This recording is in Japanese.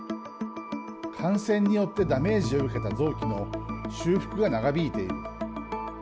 感染によってダメージを受けた臓器の修復が長引いている。